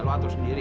lo atur sendiri